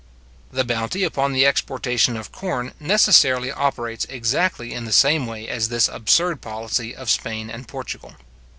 The bounty upon the exportation of corn necessarily operates exactly in the same way as this absurd policy of Spain and Portugal.